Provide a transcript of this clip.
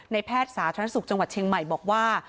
แพทย์สาธารณสุขจังหวัดเชียงใหม่บอกว่า